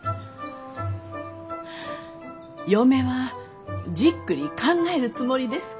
嫁はじっくり考えるつもりですき。